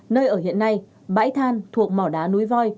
nơi ở hiện nay bãi than thuộc mỏ đá núi voi